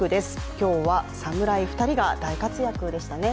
今日は侍２人が大活躍でしたね。